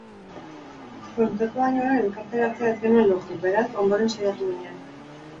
Kontzertua baino lehen elkarrizketatzea ez genuen lortu, beraz, ondoren saiatu ginen.